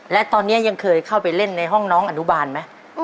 และตอนนี้ยังเคยเข้าไปเล่นในห้องน้องอนุบาลไหม